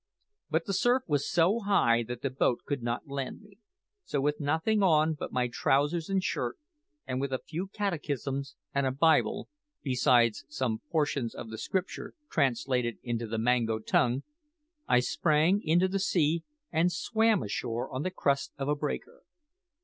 But the surf was so high that the boat could not land me; so with nothing on but my trousers and shirt, and with a few catechisms and a Bible, besides some portions of the Scripture translated into the Mango tongue, I sprang into the sea, and swam ashore on the crest of a breaker.